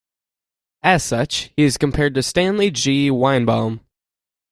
As such, he is compared to Stanley G. Weinbaum.